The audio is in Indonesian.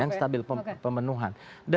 yang stabil pemenuhan